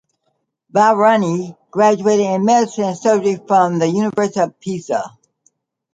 Barani graduated in Medicine and Surgery from the University of Pisa.